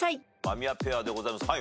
間宮ペアでございます。